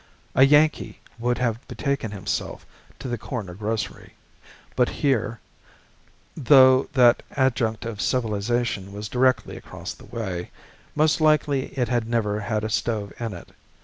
A Yankee would have betaken himself to the corner grocery. But here, though that "adjunct of civilization" was directly across the way, most likely it had never had a stove in it.